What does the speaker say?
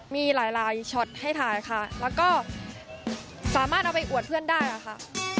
มีหลายช็อตให้ถ่ายค่ะแล้วก็สามารถเอาไปอวดเพื่อนได้ค่ะ